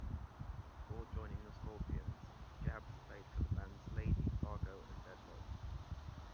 Before joining the Scorpions, Jabs played for the bands Lady, Fargo and Deadlock.